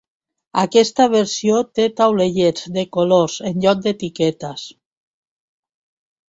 Aquesta versió té taulellets de colors en lloc d'etiquetes.